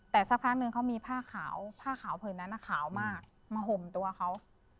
แต่สักพักนึงเขามีผ้าขาวผ้าขาวผืนนั้นขาวมากมาห่มตัวเขา